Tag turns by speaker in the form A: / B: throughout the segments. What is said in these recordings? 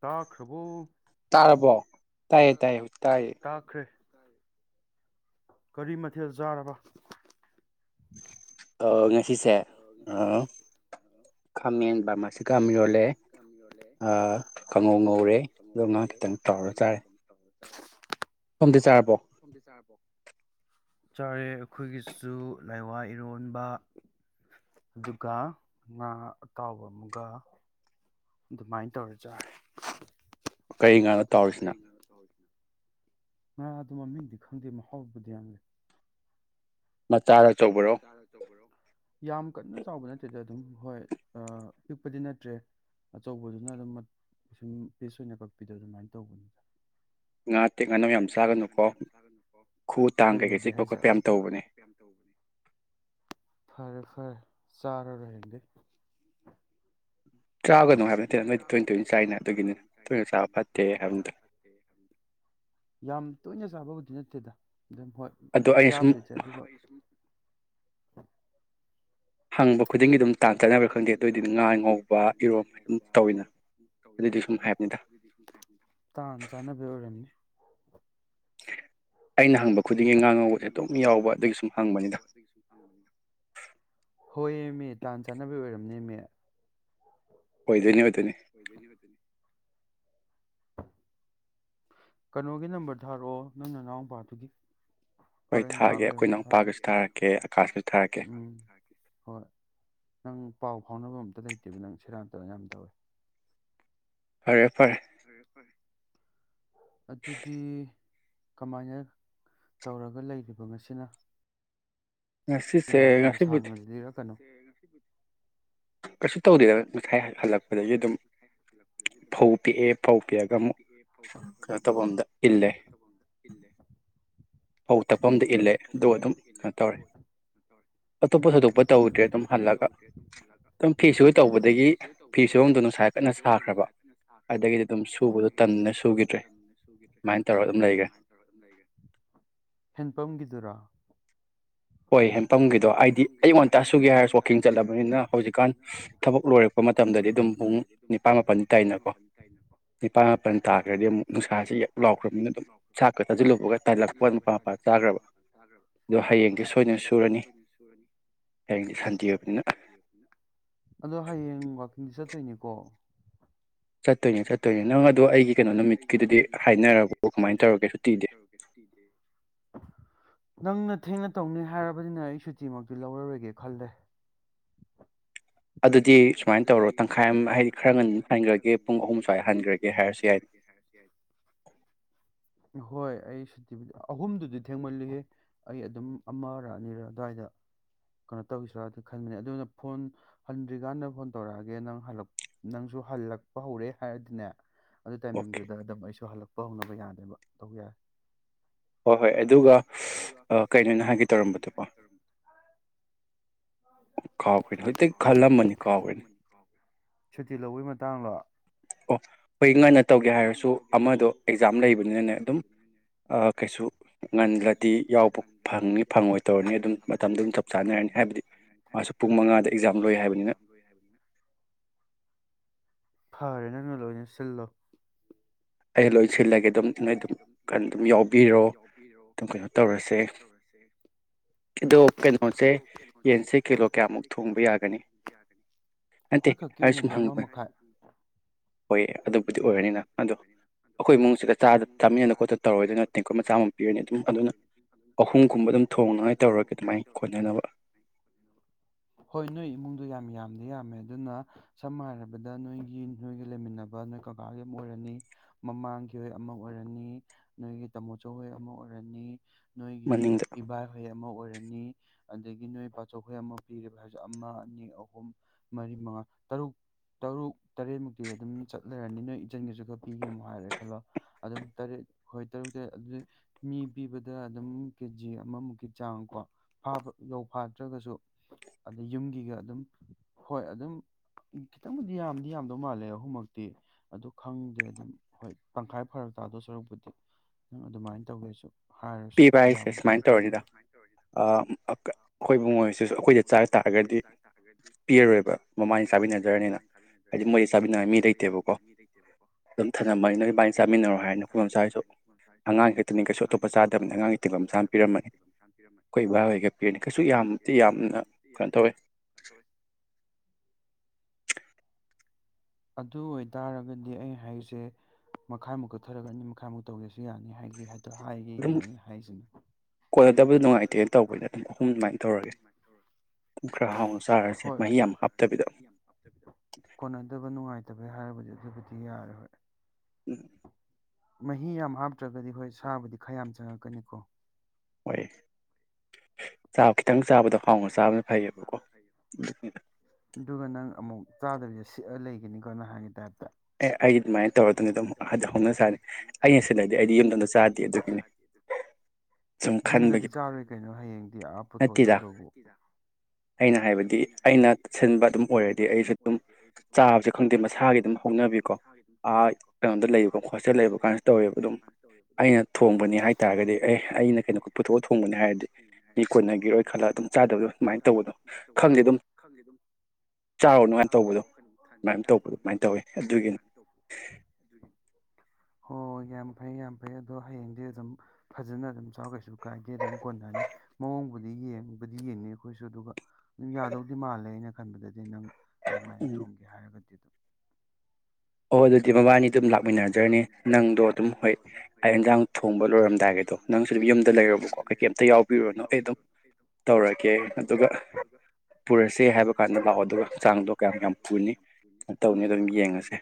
A: ꯇꯥꯛ ꯁꯕꯨꯨ
B: ꯇꯥꯔꯔꯕꯣ ꯇꯥꯏꯌꯦ ꯇꯥꯏꯌꯦ ꯇꯥꯏꯌꯦ
A: ꯀꯔꯤ ꯃꯊꯦꯜ ꯆꯥꯔꯕ
B: ꯑꯣꯉ ꯁꯤꯁꯦ ꯈꯥꯃꯦꯟ ꯕꯥꯔꯃꯥꯁꯤ ꯈꯥ ꯃꯤꯔꯣꯜꯂꯦ ꯈꯉꯧ ꯉꯧꯔꯦ ꯑꯗꯣ ꯉꯥ ꯈꯤꯇꯪ ꯆꯥꯎꯔ ꯆꯥꯔꯦ
A: ꯁꯨꯝꯗꯤ ꯆꯥꯔꯕꯣ ꯆꯥꯔꯦ ꯑꯩꯈꯣꯏꯒꯤꯁꯨ ꯂꯥꯏꯋꯥ ꯏꯔꯣꯟꯕ ꯑꯗꯨꯒ ꯉꯥ ꯑꯇꯥꯎꯕ ꯑꯃꯒ ꯑꯗꯨꯃꯥꯏꯅ ꯇꯧꯔꯖꯥꯔꯦ
B: ꯀꯔꯤ ꯀꯥꯟꯅꯣ ꯇꯧꯔꯤꯁꯤꯅ
A: ꯉꯥ ꯑꯗꯨ ꯃꯃꯤꯡꯗꯤ ꯈꯪꯗꯦ ꯃꯍꯥꯎꯕꯨꯗꯤ ꯌꯥꯝꯦ
B: ꯃ
A: ꯌꯥꯝ ꯀꯟꯅ ꯆꯥꯎꯕ ꯅꯠꯇꯦꯗ ꯑꯗꯨꯝ ꯍꯣꯏ ꯑ ꯄꯤꯛꯄꯗꯤ ꯅꯠꯇ꯭ꯔꯦ ꯑꯆꯧꯕꯗꯨꯅ ꯑꯗꯨꯝ ꯁꯨꯝ ꯄꯤꯁ ꯑꯣꯏꯅ ꯀꯛꯄꯤꯗꯣ ꯑꯗꯨꯃꯥꯏꯅ ꯇꯧꯕꯅꯤ ꯂꯩꯒꯦ ꯐꯔꯦ ꯐꯔꯦ ꯆꯔꯔꯣꯏ ꯍꯌꯦꯡꯗꯩꯩ ꯌꯥꯝ ꯇꯣꯏꯅ ꯆꯕ ꯍꯧꯗꯤ ꯅꯠꯇꯦꯗ ꯑꯗꯨꯝ ꯍꯣꯏ ꯆꯥꯕꯗꯤ ꯆꯠ ꯑꯗꯨꯒ
B: ꯍꯪꯕ
A: ꯇꯥꯟ ꯆꯥꯕꯤ ꯑꯣꯏꯔꯅꯤ
B: ꯑꯩꯅ ꯍꯪꯕ ꯈꯨꯗꯤꯡꯒꯤ ꯉꯥꯡꯉꯧꯕꯁꯦ ꯑꯗꯨꯣꯛ ꯌꯥꯎꯕ ꯑꯗꯨꯗꯒꯤ ꯁꯨꯝ ꯍꯪꯕꯅꯤꯗ
A: ꯍꯃꯤ ꯇꯥꯟ ꯆꯥꯟꯅꯕꯤ ꯑꯣꯏꯔꯝꯅꯦꯅꯦ
B: ꯑꯣꯏꯗꯣꯏꯅꯤ ꯑꯣꯏꯗꯣꯏꯅꯤ
A: ꯀꯩꯅꯣꯒꯤ ꯅꯝꯕꯔ ꯊꯥꯔꯛꯑꯣ ꯅꯪꯅ ꯅꯅꯥꯎ ꯅꯨꯄꯥꯗꯨꯒꯤ ꯍꯣꯔꯦꯟ ꯉꯥꯏꯍꯥꯛ ꯂꯩꯔꯒ ꯎ ꯍꯣꯏ ꯅꯪ ꯄꯥꯎ ꯐꯥꯎꯅꯕ ꯑꯝꯇ ꯂꯩꯇꯦꯕ ꯅꯪ ꯁꯦꯔꯥꯛꯇꯔ ꯌꯥꯝ ꯇꯧꯋꯦ
B: ꯔꯦꯐꯔ
A: ꯑꯗꯨꯗꯤ ꯀꯃꯥꯏꯅ ꯇꯧꯔꯒ ꯂꯩꯔꯤꯕ ꯉꯁꯤꯅ ꯑꯗꯨꯃꯥꯏꯅ ꯌꯥꯝ ꯁꯥꯡꯅꯗꯤ ꯂꯤꯔꯛꯀꯅꯨ
B: ꯀꯁ ꯇꯧꯗꯅ
A: ꯀꯩꯁꯨ ꯇꯧꯗꯦ ꯃꯈꯥꯏ ꯍꯥꯞꯒꯠꯂꯛꯄꯗꯒꯤ ꯑꯗꯨꯝ ꯐꯧ ꯄꯤꯛꯑꯦ ꯐꯧ ꯇꯧꯔꯒ ꯑꯃꯨꯛ ꯀꯩꯅꯣ ꯇꯧꯕ ꯑꯝꯗ ꯏꯜꯂꯦ
B: ꯐꯧ ꯇꯛꯐꯝꯗ ꯏꯜꯂꯦ ꯑꯗꯨꯒ ꯑꯗꯨꯝ ꯀꯩꯅꯣ ꯇꯧꯔꯦ ꯑꯇꯣꯞꯄ ꯊꯣꯏꯗꯣꯛꯄ ꯇꯧꯗ꯭ꯔꯦ ꯑꯗꯨꯝ ꯍꯜꯂꯒ ꯑꯗꯨꯝ ꯐꯤ ꯁ ꯇꯧꯕꯗꯒꯤ
A: ꯇꯧꯕꯗꯒꯤ ꯐꯤ ꯁꯝꯗꯣ ꯉꯁꯥꯏ ꯐꯅ ꯁꯥꯈ꯭ꯔꯕ ꯑꯗꯨꯗꯒꯤꯗꯤ ꯑꯗꯨꯝ ꯁꯅ ꯁꯨꯈꯤꯗ꯭ꯔꯦ ꯑꯗꯨꯃꯥꯏꯅ ꯇꯧꯔꯒ ꯑꯗꯨꯝ ꯂꯩꯈ꯭ꯔꯅꯤ ꯍꯦꯟꯄꯝꯒꯤꯗꯨꯖꯔꯥ
B: ꯍꯣꯏ ꯍꯦꯟꯄꯝꯒꯤꯗꯣ ꯍꯥꯏꯗꯤ ꯑꯩꯌꯨ ꯋꯥ ꯉꯟ ꯇꯁꯨꯨꯒꯦ ꯍꯥꯏꯔꯁꯨ ꯋꯥꯋꯥꯛꯀꯤꯡ ꯆꯠꯂꯕꯅꯤꯅ ꯍꯧꯖꯤꯛꯀꯥꯟ ꯊꯕꯛ ꯂꯣꯏꯔꯛꯄ ꯃꯇꯝꯗ ꯗꯤ ꯑꯗꯨꯝ ꯄꯨꯡ ꯅꯤꯄꯥꯄ ꯇꯩꯅꯩꯅꯀꯣ ꯅꯤꯄꯥꯄ ꯇꯥꯈ꯭ꯔꯗꯤ ꯅꯨꯡꯁ ꯂꯥꯎꯈ꯭ꯔꯅꯤꯅ ꯍ
A: ꯑꯗꯣ ꯍꯌꯦꯡ ꯆꯠꯇꯣꯏꯅꯤꯀꯣ ꯆꯠꯇꯅꯤ ꯆꯠꯇꯅꯤ ꯅꯪ ꯑꯗꯣ ꯑꯩꯒꯤ ꯀꯩꯅꯣ ꯅꯨꯃꯤꯠꯀꯤꯗꯗꯤꯗꯤ ꯍꯥꯏꯅꯔꯕꯣ ꯀꯃꯥꯏꯅ ꯇꯧꯔꯒꯦ ꯍꯇꯤꯗꯦ ꯅꯪꯅ ꯊꯦꯡꯅ ꯇꯧꯅꯤ ꯍꯥꯏꯔꯕꯅꯤꯅ ꯑꯩ ꯁꯨꯇꯤꯃꯛꯇꯤ ꯂꯧꯔꯔꯣꯏꯒꯦ ꯈꯜꯂꯦ
B: ꯑꯗꯨꯗꯤ
A: ꯑꯗꯨꯗꯤ ꯁꯨꯃꯥꯏꯅ ꯇꯧꯔꯣ ꯇꯪꯈꯥꯏ ꯑꯃꯨꯛ ꯍꯥꯏꯗꯤ ꯈꯔꯒꯅꯤ ꯍꯟꯖ꯭ꯔꯒꯦ ꯄꯨꯡꯍꯨꯝ ꯀꯥꯏ ꯍꯟꯖ꯭ꯔꯒꯦ ꯍꯥꯏꯔꯁꯨ ꯌꯥꯏ ꯍꯣꯏ ꯑꯩ ꯁꯨꯇꯤꯕꯤꯤ ꯑꯍꯨꯝꯗꯨꯗꯤ ꯊꯦꯡꯃꯜꯂꯤ ꯑꯩ ꯑꯗꯨꯝ ꯑꯃꯔ ꯑꯅꯤꯔ ꯑꯗꯨꯋꯥꯏꯗ ꯀꯩꯅꯣ ꯇꯧꯁꯤꯔꯥꯗꯤ ꯈꯟꯕꯅꯤ ꯑꯗꯨꯅ ꯐꯣꯟ ꯍꯟꯗ꯭ꯔꯤꯀꯥꯟꯗ ꯐꯣꯟ ꯇꯧꯔꯛꯑꯒꯦ ꯅꯪ ꯅꯪꯁꯨ ꯍꯜꯂꯛꯄ ꯍꯧꯔꯦ ꯍꯥꯏꯔꯗꯤꯅꯦ ꯑꯗꯨ ꯇꯥꯏꯃꯤꯡꯗꯨꯗ ꯑꯗꯨꯝ ꯑꯩꯁꯨ ꯍꯜꯂꯛꯄ ꯄ ꯍꯧꯅꯕ ꯌꯥꯗꯦꯕ ꯇꯧꯕ ꯌꯥꯔꯦ
B: ꯍꯣꯏ ꯍꯣꯏ ꯑꯗꯨꯒ ꯀꯩꯅꯣꯅ ꯍꯥꯏꯒꯦ ꯇꯧꯔꯝꯕꯗꯨꯀꯣ ꯀꯥꯎꯈ ꯍ ꯈꯜꯂꯝ ꯃꯅꯤ ꯀ
A: ꯈꯜꯂꯝꯕꯅꯤ ꯁꯇ ꯂꯧꯕꯒꯤ ꯃꯇꯥꯡꯗꯣ ꯑꯣ ꯑꯩꯈꯣꯏ ꯉꯟꯅ ꯇꯧꯒꯦ ꯍꯥꯏꯔꯁꯨ ꯑꯃꯗꯣ ꯑꯦꯛꯖꯥꯝ ꯂꯩꯕꯅꯤꯝ ꯀꯩ ꯉꯟꯂꯗꯤ ꯌꯥꯎꯕ ꯐꯅꯤ ꯐꯪꯉꯣꯏ ꯇꯧꯔꯅꯤ ꯑꯗꯨ ꯃꯇꯝꯞ ꯆꯥ
B: ꯃꯥꯁꯨ ꯄꯨꯡ ꯃꯉꯥꯗ ꯑꯦꯛꯖꯥꯝ ꯂꯣꯏ ꯍꯥꯏꯕꯅꯤꯅ
A: ꯐꯔꯦꯅꯅ ꯂꯣꯏꯅꯤ ꯁꯤꯂꯣ ꯑꯩ ꯂꯣꯏꯁꯤꯜꯂꯒꯦ ꯑꯗꯨꯝ ꯌꯥꯎꯔꯣ ꯇꯧꯔꯦ ꯑ ꯀꯩꯅꯣꯁꯦ ꯌꯦꯣꯌꯥꯃꯨꯣꯡ ꯌꯥꯒꯅꯤ ꯑꯩꯈꯣꯏ ꯈꯛꯀꯤ ꯑꯣꯏꯅꯗꯤ ꯑꯃ ꯃꯈꯥꯏ ꯑꯣꯏ ꯑꯣꯏꯅꯤꯅ ꯑꯩꯈꯣꯏꯃꯨꯡ ꯆꯥ ꯇꯧꯔꯤꯉ ꯍꯣꯏ ꯅꯣꯏ ꯏꯃꯨꯡꯗ ꯌꯥꯝ ꯔꯕ ꯀ ꯃ ꯍꯍꯣꯏ ꯑꯃ ꯑꯣꯏꯔꯅꯤ ꯅꯣꯏꯒꯤ ꯇꯥꯃꯣ ꯆꯍꯣꯏ ꯑꯃ ꯑꯣꯏꯔꯅꯤ ꯅꯣꯏꯒꯤ ꯏꯕꯥꯥ ꯍ ꯑꯃ ꯑꯣꯏꯔꯅꯤ ꯑꯗꯒꯤ ꯅꯣꯏ ꯄꯥꯊꯣꯛꯈꯣꯏ ꯑꯃ ꯄꯤꯔꯤꯕ ꯍꯥꯏꯔꯁꯨ ꯑꯃ ꯑꯅꯤ ꯑꯍꯨꯝ ꯃꯔꯤ ꯃꯉꯥ ꯇꯔꯨꯛ ꯇꯔꯨꯛ ꯇꯔꯦꯠꯃꯨꯛꯇꯤ ꯑꯗꯨꯝ ꯆꯠꯂꯔꯅꯤ ꯅꯣꯏ ꯏꯟꯆꯟꯒꯤꯁꯨ ꯈꯔ ꯄꯤꯒꯦꯃꯨꯣ ꯍꯥꯏꯔꯦ ꯈꯜꯂꯣ ꯑꯗꯨꯝ ꯇꯔꯦꯠ ꯍꯣꯏ ꯇꯔꯨꯛ ꯇꯔꯦꯠ ꯑꯗꯨꯗꯤ ꯃꯤ ꯄꯤꯕꯗ ꯑꯗꯨꯝ ꯀꯦꯖꯤ ꯑꯃꯃꯨꯛꯀꯤ ꯆꯥꯡꯀꯣ ꯌꯧ ꯐꯥꯗ꯭ꯔꯒꯁꯨ ꯑꯗꯩ ꯌꯨꯝꯒꯤꯒ ꯑꯗꯨꯝ ꯍꯣꯏ ꯑꯗꯨꯝ ꯈꯤꯇꯪꯕꯨꯗꯤ ꯌꯥꯝꯗꯤ ꯌꯥꯝꯗꯧ ꯃꯥꯜꯂꯦ ꯑꯍꯨꯝꯃꯛꯇꯤ ꯑꯗꯨ ꯈꯪꯗꯦ ꯑꯗꯨꯝ ꯍꯣꯏ ꯇꯪꯈꯥꯏ ꯐꯔꯛ ꯇꯥꯗꯣ ꯁꯔꯨꯛꯄꯨꯗꯤ ꯑꯗꯨꯃꯥꯏꯅ ꯇꯧꯒꯦꯁꯨ
B: ꯄꯤꯕ ꯍꯥꯏꯁꯦ ꯁꯨꯃꯥꯏꯅ ꯇꯧꯔꯅꯤꯅ ꯑꯩꯈꯣꯏꯕꯨꯨꯡ ꯃꯣꯏꯁꯤꯁꯨ ꯑꯩꯈꯣꯏꯗ ꯆꯥ ꯇꯥꯔꯒꯗꯤ ꯄꯤꯔꯔꯣꯏꯕ ꯃꯃꯥꯅꯤ ꯆꯥꯃꯤꯟꯅꯖꯔꯅꯤꯅ ꯍꯥꯏꯗꯤ ꯃꯣꯏꯗ ꯆꯥꯃꯤꯟꯅꯔ ꯃꯤ ꯂꯩꯇꯦꯕꯀꯣ ꯑꯗꯨꯝ ꯊꯝꯃꯅꯤ ꯑ ꯅ ꯑꯗꯨꯃꯥꯏꯅ ꯆꯥꯃꯤꯟꯅꯔꯣ ꯍꯥꯏꯅ ꯑꯩꯈꯣꯏ ꯃꯆꯥꯁꯨ ꯑꯉꯥꯡ ꯍꯦꯛꯇꯅꯤ ꯀꯩꯁꯨ ꯑꯇꯣꯞꯄ ꯆꯗ
A: ꯀꯩꯁꯨ ꯑꯇꯣꯞꯄ ꯆꯥꯗꯕꯅꯤ ꯑꯉꯥꯡꯒꯤ ꯇꯤꯐꯝꯝꯁꯥꯡ ꯄꯤꯔꯝꯃꯅꯤ ꯑꯩꯈꯣꯏ ꯏꯕꯥ ꯑꯣꯏꯒꯗꯤ ꯀꯩꯁꯨ ꯌꯥꯝꯗꯤ ꯌꯥꯝꯅ ꯀꯩꯅꯣ ꯇꯧꯋꯦ ꯑꯗꯨ ꯑꯣꯏꯇꯥꯔꯒꯗꯤ ꯑꯩ ꯍꯥꯏꯔꯤꯁꯦ ꯃꯈꯥꯏꯃꯨꯛ ꯀꯠꯊꯔꯒꯅꯤ ꯃꯈꯥꯏꯃꯨꯛ ꯇꯧꯒꯦꯁꯨ ꯌꯥꯅꯤ ꯍꯥꯏꯒꯦ ꯍꯥꯏ ꯑ ꯍꯥꯏꯒꯦꯒꯤꯅꯦ ꯑꯩꯅ ꯍꯥꯏꯁꯤꯅ ꯐꯠꯇꯕ ꯅꯨꯡꯉꯥꯏꯇꯕꯦ ꯍꯥꯏꯔꯕꯗꯤ ꯑꯗꯨꯕꯨꯗꯤ ꯌꯥꯔꯦ ꯍꯣꯏ ꯃꯍꯤ ꯌꯥꯝ ꯍꯥꯞꯇ꯭ꯔꯒꯗꯤ ꯍꯣꯏ ꯁꯥꯕꯨꯗꯤ ꯈꯔ ꯌꯥꯝ ꯆꯪꯉꯛꯀꯅꯤꯀꯣ
B: ꯑꯣꯏꯣꯏ
A: ꯈꯤꯪ ꯑꯗꯨꯒ ꯅꯪ ꯑꯃꯨꯛ ꯆꯥꯗꯕꯤꯁꯦ ꯁꯤꯛꯑ ꯂꯩꯒꯅꯤꯀꯣ ꯅꯅ ꯍꯥꯏꯒꯤ ꯇꯥꯏꯞ
B: ꯑꯦ ꯑꯩꯗꯤ ꯑꯗꯨꯃꯥꯏꯅ ꯇꯧꯔꯗꯨꯅꯤ ꯑꯗꯨꯝ ꯍꯗ ꯍꯧꯅ ꯁꯥꯥꯅꯤ ꯑꯩꯅ ꯁꯤꯗꯗꯤ ꯑꯩꯗꯤ ꯌꯨꯝꯗꯝꯗ ꯆꯥꯗꯦ ꯑꯗꯨꯒꯤꯅꯤ ꯁꯨꯝ ꯈꯟꯕꯒꯤ ꯅꯠꯇꯦꯗ ꯑꯩꯅ ꯍꯥꯏꯕꯗꯤ ꯑꯩꯅ ꯁꯤꯟꯕ ꯑꯗꯨꯝ ꯑꯣꯏꯔꯗꯤ ꯑꯩꯁꯨ ꯑꯗꯨꯝ ꯆꯥꯕꯁꯨ ꯈꯪꯗꯦ ꯃꯁꯥꯒꯤ ꯑꯗꯨꯝ ꯍꯣꯡꯅꯕꯤꯀꯣ ꯑꯥ ꯀꯩꯅꯣꯝꯗ ꯂꯩ ꯈꯣꯁꯇꯗ ꯂꯩꯕ ꯀꯥꯟꯁꯨ ꯇꯧꯋꯦꯕ ꯑꯗꯨꯝ ꯑꯩꯅ ꯊꯣꯡꯕꯅꯦ ꯍꯥꯏꯇꯥꯔꯒꯗꯤ ꯑꯦ ꯑꯩꯅ ꯀꯩꯅꯣ ꯄꯨꯊꯣꯛꯑ ꯊꯣꯡꯕꯅꯤ ꯍꯥꯏꯔꯗꯤ ꯃꯤ ꯀꯣꯟꯅ
A: ꯃꯤ ꯀꯣꯟꯅꯒꯤ ꯑꯣꯏ ꯈꯜꯂꯒ ꯑꯗꯨꯝ ꯆꯥꯗꯕꯗꯣ ꯁꯨꯃꯥꯏꯅ ꯇꯧꯕꯗ ꯈꯪꯗꯦ ꯑꯗꯨꯝ ꯆꯥꯎꯥꯔ ꯅꯨꯡꯉꯥꯏꯕ ꯑꯩꯈꯣꯏ ꯊꯟꯕꯒꯤ ꯇꯥꯏꯞꯇꯣ ꯑꯗꯨꯃꯥꯏꯅ ꯇꯧꯕꯗꯣ ꯅ ꯍꯣꯏ ꯌꯥꯝ ꯐꯩ ꯌꯥꯝ ꯐꯩ ꯑꯗꯣ ꯍꯌꯦꯡꯗꯤ ꯑꯗꯨꯝ ꯐꯖꯅ ꯑꯗꯨꯝ ꯆꯥꯎ ꯀꯩꯁꯨ ꯀꯥꯏꯗꯦ ꯑꯗꯨꯝ ꯀꯣꯟꯅꯅꯤ ꯃꯑꯣꯡ ꯕꯨꯗꯤ ꯌꯦꯡꯕꯨꯗꯤ ꯌꯦꯡꯅꯤ ꯑꯩꯈꯣꯏꯁꯨ ꯑꯗꯨꯒ ꯑꯗꯨꯝ ꯌꯥꯗꯧꯗꯤ ꯃꯥꯜꯂꯦ ꯑꯩꯅ ꯈꯟꯕꯗꯗꯤ ꯅꯪ ꯑꯗꯨꯃꯥꯏꯅ ꯊꯣꯡꯒꯦ ꯍꯥꯏꯔꯒꯗꯤ
B: ꯑꯣ ꯑꯗꯨꯗꯤ ꯃꯕꯥꯅꯤ ꯑꯗꯨꯝ ꯂꯥꯛꯃꯤꯟꯅꯖꯔꯅꯤ ꯅꯪꯗꯣ ꯑꯗꯨꯝ ꯍꯣꯏ ꯌꯦꯟꯁꯥꯡ ꯊꯣꯡꯕ ꯂꯣꯏꯔꯝꯗꯥꯏꯒꯤꯗꯣ ꯅꯪꯁꯨ ꯑꯗꯨꯝ ꯌꯨꯝꯗ ꯂꯩꯔꯨꯕꯀꯣ ꯀꯩꯀꯩꯝꯇ ꯌꯥꯎꯕꯤꯔꯨꯅꯣ ꯑꯩ ꯑꯗꯨꯝ ꯇꯧꯔꯒꯦ ꯑꯗꯨꯒ ꯄꯨꯔꯁꯦ ꯍꯥꯏꯕ ꯀꯥꯟꯗ ꯂꯥꯛꯑꯣ ꯑꯗꯨꯒ ꯆꯥꯡꯗꯣ ꯀꯌꯥꯝ ꯌꯥꯝ ꯄꯨꯅꯤ ꯇꯧꯅꯤ ꯑꯗꯨꯝ ꯌꯦꯡꯉꯁꯦ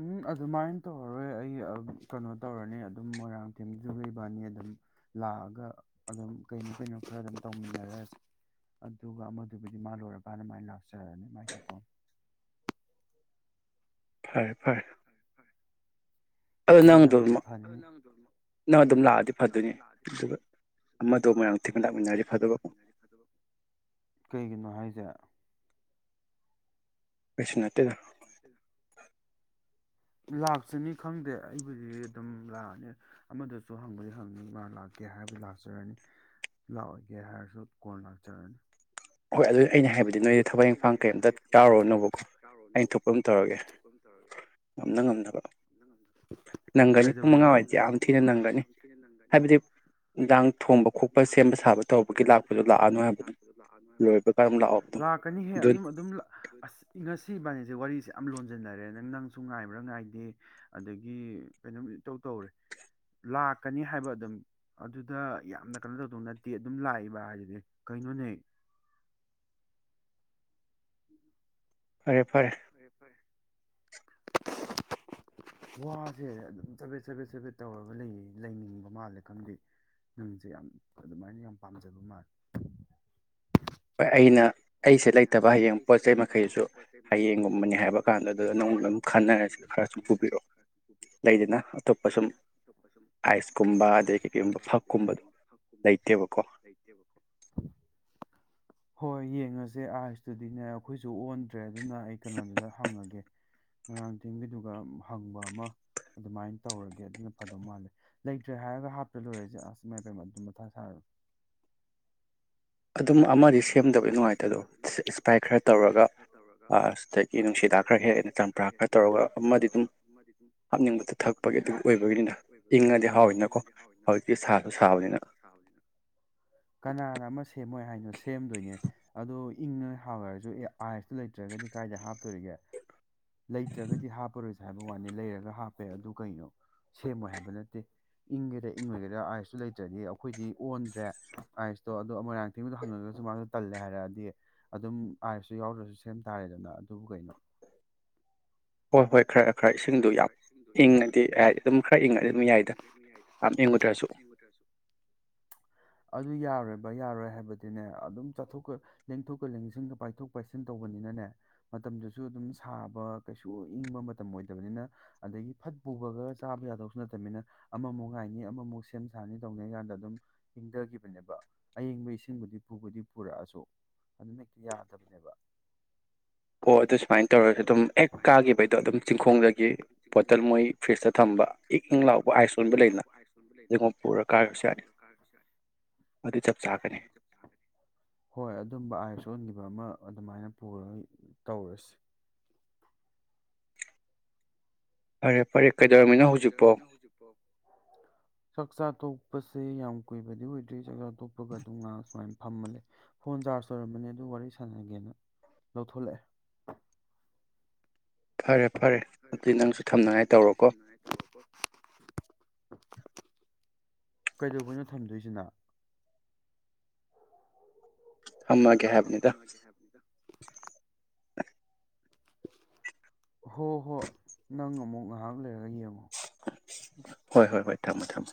A: ꯎꯝ ꯑꯗꯨꯃꯥꯏꯅ ꯇꯧꯔꯔꯣꯏ ꯑꯩ ꯀꯩꯅꯣ ꯇꯧꯔꯅꯤ ꯑꯗꯨꯝ ꯃꯣꯏꯔꯥꯡ ꯊꯦꯝꯖꯨ ꯏꯕꯥꯅꯤ ꯑꯗꯨꯝ ꯂꯥꯛꯑꯒ ꯑꯗꯨꯝ ꯀꯩꯅꯣ ꯀꯩꯅꯣ ꯈꯔ ꯑꯗꯨꯝ ꯇꯧꯃꯤꯟꯅꯔꯁꯤ ꯑꯗꯨꯒ ꯑꯃꯗꯨꯕꯨꯗꯤ ꯃꯥ ꯂꯣꯏꯔꯀꯥꯟꯗ ꯃꯥꯏ ꯂꯥꯛꯆꯔꯑꯅꯤ ꯃꯥꯏꯊꯣꯛꯄ
B: ꯐꯔꯦ ꯐꯔꯦ
A: ꯑꯗꯨꯅ ꯈꯔ ꯐꯅꯤ [unintelligible] ꯀꯩꯒꯤꯅꯣ ꯍꯥꯏꯁꯦ
B: ꯕꯤꯁꯅꯥ [unintelligible]
A: ꯂꯥꯛꯆꯅꯤ ꯈꯪꯗꯦ ꯑꯩꯕꯨꯗꯤ ꯑꯗꯨꯝ ꯂꯥꯛꯑꯅꯤ ꯑꯃꯗꯁꯨ ꯍꯪꯕꯗꯤ ꯍꯪꯅꯤ ꯃꯥ ꯂꯥꯛꯀꯦ ꯍꯥꯏꯕꯗꯤ ꯂꯥꯛꯆꯔꯅꯤ ꯂꯥꯛꯑꯣꯏꯒꯦ ꯍꯥꯏꯔꯁꯨ ꯀꯣꯟꯅ ꯂꯥꯛꯆꯔꯅꯤ
B: ꯍꯣꯏ ꯑꯗꯨ ꯑꯩꯅ ꯍꯥꯏꯕꯗꯤ ꯅꯣꯏꯗꯤ ꯊꯕꯛ ꯏꯪꯈꯥꯡ ꯀꯩꯝꯇ ꯇꯥꯔꯨꯔꯅꯣꯕꯀꯣ ꯑꯩꯅ ꯊꯣꯛꯄꯝ ꯇꯧꯔꯒꯦ ꯉꯝꯅ ꯉꯝꯅꯕ ꯅꯪꯒꯅꯤ ꯄꯨꯡ ꯃꯉꯥꯋꯥꯏꯗꯤ ꯌꯥꯝ ꯊꯤꯅ ꯅꯪꯒꯅꯤ ꯍꯥꯏꯕꯗꯤ ꯅꯨꯡꯗꯥꯡ ꯊꯣꯡꯕ ꯈꯣꯠꯄ ꯁꯦꯝꯕ ꯁꯥꯕ ꯇꯧꯕꯒꯤ ꯂꯥꯛꯄꯗꯣ ꯂꯥꯛꯑꯅꯨ ꯍꯥꯏꯕ
A: ꯂꯥꯛꯀꯅꯤꯍꯦ ꯑꯗꯨꯝ ꯑꯗꯨꯝ ꯉꯁꯤ ꯏꯕꯥꯅꯤꯁꯦ ꯋꯥꯔꯤꯁꯦ ꯌꯥꯝ ꯂꯣꯟꯁꯤꯟꯅꯔꯦ ꯅꯪ ꯅꯪꯁꯨ ꯉꯥꯏꯕ꯭ꯔꯥ ꯉꯥꯏꯗꯦ ꯑꯗꯒꯤ ꯀꯩꯅꯣꯝ ꯇꯧ ꯇꯧꯔꯦ ꯂꯥꯛꯀꯅꯤ ꯍꯥꯏꯕ ꯑꯗꯨꯝ ꯑꯗꯨꯗ ꯌꯥꯝꯅ ꯀꯩꯅꯣ ꯇꯧꯗꯧ ꯅꯠꯇꯦ ꯑꯗꯨꯝ ꯂꯥꯛꯏꯕ ꯍꯥꯏꯁꯤꯗꯤ ꯀꯩꯅꯣꯅꯦ
B: ꯐꯔꯦ ꯐꯔꯦ
A: ꯐꯔꯦ ꯐꯔꯦ ꯋꯥꯁꯦ ꯑꯗꯨꯝ ꯆꯐꯦꯠ ꯆꯐꯦꯠ ꯆꯐꯦꯠ ꯇꯧꯔꯒ ꯂꯩ ꯂꯩꯅꯤꯡꯕ ꯃꯥꯜꯂꯦ ꯈꯪꯗꯦ ꯅꯪꯁꯦ ꯌꯥꯝ ꯑꯗꯨꯃꯥꯏꯅ ꯌꯥꯝ ꯄꯥꯝꯖꯕ ꯃꯥꯜꯂꯦ ꯍ ꯑꯩꯅ ꯑꯩꯁꯦ ꯂꯩꯇꯕ ꯍꯌꯦꯡ ꯄꯣꯠ ꯆꯩ ꯃꯈꯩꯁꯨ ꯍꯌꯦꯡꯅꯤ ꯍꯥꯏꯕ ꯀꯥꯟꯗ ꯑꯗꯨꯗ ꯅꯥꯪꯒ ꯑꯗꯨꯝ ꯈꯟꯅꯔꯁꯨ ꯈꯔ ꯄꯨꯕꯤꯔꯣꯑꯣ ꯂꯩꯗꯅ ꯑꯇꯣꯞꯄ ꯁꯨꯝ ꯑꯥꯏꯁꯀꯨꯝꯕ ꯑꯗꯗꯒꯤꯒꯨꯝꯕ ꯐꯛꯀꯨꯝꯕ ꯂꯩꯇꯦꯕꯀꯣ ꯍꯣꯏ ꯌꯦ ꯌꯦꯡꯉꯁꯦ ꯑꯥꯏꯁꯇꯨꯗꯤꯅꯦ ꯑꯩꯈꯣꯏꯁꯨ ꯑꯣꯟꯗ꯭ꯔꯦ ꯑꯗꯨꯅ ꯑꯩ ꯀꯩꯅꯣꯗꯨꯗ ꯍꯪꯉꯒꯦ ꯉꯣꯏꯔꯥꯡ ꯊꯦꯝꯕꯤꯗꯨꯒ ꯍꯪꯕ ꯑꯃ ꯑꯗꯨꯃꯥꯏꯅ ꯇꯧꯔꯒꯦ ꯑꯗꯨꯅ ꯐꯗꯧ ꯃꯥꯜꯂꯦ ꯂꯩꯇ꯭ꯔꯦ ꯍꯥꯏꯔꯒ ꯍꯥꯞ ꯇ꯭ꯔ ꯂꯣꯏꯔꯁꯦ ꯑꯁ ꯏꯃꯥꯏ ꯄꯦꯝꯃꯥ ꯑꯗꯨꯝ ꯃꯊꯥ ꯁꯥꯔ [inaudible] ꯁꯦꯝꯗꯣꯏꯅꯦ ꯑꯗꯣ ꯏꯪꯉ ꯍꯥꯞ ꯍꯥꯏꯔꯁꯨ ꯑꯦ ꯑꯥꯏꯁꯇꯣ ꯂꯩꯇ꯭ꯔꯒꯗꯤ ꯀꯥꯏꯗ ꯍꯥꯞꯇꯣꯔꯤꯒꯦ ꯂꯩꯇ꯭ꯔꯒꯗꯤ ꯍꯥꯞꯄꯔꯣꯏꯁꯦ ꯍꯥꯏꯕ ꯋꯥꯅꯤ ꯂꯩꯔꯒ ꯍꯥꯞꯄꯦ ꯑꯗꯨ ꯀꯩꯅꯣ ꯁꯦꯝꯃꯣꯏ ꯍꯥꯏꯕ ꯅꯠꯇꯦ ꯏꯪꯒꯦꯔꯥ ꯏꯪꯉꯣꯏꯒꯦꯔꯥ ꯑꯥꯏꯁꯇꯨ ꯂꯩꯇ꯭ꯔꯗꯤ ꯑꯩꯈꯣꯏꯗꯤ ꯑꯣꯟꯗ꯭ꯔꯦ ꯑꯥꯏꯁꯇꯣ ꯑꯗꯣ ꯃꯣꯏꯔꯥꯡꯊꯦꯝꯒꯤꯗꯣ ꯍꯪꯉꯒ ꯁꯨꯃꯥꯏꯅꯁꯨ ꯇꯜꯂꯦ ꯍꯥꯏꯔꯛꯑꯗꯤ ꯑꯗꯨꯝ ꯑꯥꯏꯁꯁꯨ ꯌꯥꯎꯗ꯭ꯔꯁꯨ ꯁꯦꯝ ꯇꯥꯔꯦꯗꯅ ꯑꯗꯨꯕꯨ ꯀꯩꯅꯣ ꯄꯣꯠꯄꯣꯏ ꯈꯔ ꯈꯔ ꯏꯁꯤꯡꯗꯣ ꯌꯥꯝ ꯏꯪꯉꯗꯤ ꯑꯗꯨꯝ ꯈꯔ ꯏꯪꯉꯗ ꯑꯗꯨꯝ ꯌꯥꯏꯗ ꯍꯥꯞꯅꯤꯡ ꯑꯗꯨ ꯌꯥꯔꯣꯏꯕ ꯌꯥꯔꯣꯏ ꯍꯥꯏꯕꯗꯤꯅꯦ ꯑꯗꯨꯝ ꯆꯥꯊꯣꯛꯀ ꯂꯦꯡꯊꯣꯛꯀ ꯂꯦꯡꯁꯤꯟꯒ ꯄꯥꯏꯊꯣꯛ ꯄꯥꯏꯁꯤꯟ ꯇꯧꯕꯅꯤꯅꯅꯦ ꯃꯇꯝꯗꯨꯁꯨ ꯑꯗꯨꯝ ꯁꯥꯕ ꯀꯩꯁꯨ ꯏꯪꯕ ꯃꯇꯝ ꯑꯣꯏꯗꯕꯅꯤꯅ ꯑꯗꯒꯤ ꯐꯠ ꯄꯨꯕꯒ ꯆꯥꯕ ꯌꯥꯗꯕꯁꯨ ꯅꯠꯇꯕꯅꯤꯅ ꯑꯃꯃꯨꯛ ꯉꯥꯏꯅꯤ ꯑꯃꯃꯨꯛ ꯁꯦꯝ ꯁꯥꯅꯤ ꯇꯧꯅꯤ ꯀꯥꯟꯗ ꯑꯗꯨꯝ ꯏꯡꯊꯈꯤꯕꯅꯦꯕ ꯑꯌꯤꯡꯕ ꯏꯁꯤꯡꯕꯨꯗꯤ ꯄꯨꯕꯨꯗꯤ ꯄꯨꯔꯛꯑꯁꯨ ꯑꯗꯨꯅ ꯍꯦꯛꯇ ꯌꯥꯗꯕꯅꯦꯕ
B: ꯑꯣ ꯑꯗꯨꯁꯨ ꯃꯥꯏ
A: [inaudible] ꯑꯃ ꯑꯗꯨꯃꯥꯏꯅ ꯄꯨꯔꯒ ꯇꯧꯔꯁꯤ [inaudible] ꯆꯥꯛ ꯆꯥ ꯇꯣꯛꯄ ꯑꯩꯁꯦ ꯌꯥꯝ ꯀꯨꯏꯕꯗꯤ ꯑꯣꯏꯗ꯭ꯔꯤ ꯆꯥꯛ ꯆꯥ ꯇꯣꯛꯄꯒ ꯑꯗꯨꯝ ꯉ ꯁꯨꯃꯥꯏꯅ ꯐꯝꯃꯜꯂꯦ ꯐꯣꯟ ꯆꯥꯔꯖ ꯇꯧꯔꯃꯅꯤ ꯑꯗꯨ ꯋꯥꯔꯤ ꯁꯥꯟꯅꯒꯦꯅ ꯂꯧꯊꯣꯛꯂꯛꯑꯦ ꯐꯔꯦ ꯐꯔꯦ ꯑꯗꯨꯗꯤ ꯅꯪꯁꯨ ꯊꯝꯅꯉꯥꯏꯇꯧꯔꯣꯀꯣ ꯀꯩꯗꯧꯕꯩꯅꯣ ꯊꯝꯗꯣꯏꯁꯤꯅ
B: ꯊꯝꯅ ꯀ ꯍꯥꯏꯕꯅꯤꯗ [inaudible]
A: ꯍꯣ ꯍꯣ ꯅꯪ ꯑꯃꯨꯛ ꯉꯥꯏꯍꯥꯛ ꯂꯩꯔꯒ ꯌꯦꯡꯉ
B: ꯍꯣꯏ ꯍꯣꯏ ꯍꯣꯏ ꯊꯝꯃꯣ ꯊꯝꯃꯣ